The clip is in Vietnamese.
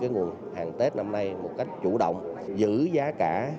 nguồn hàng tết năm nay một cách chủ động giữ giá cả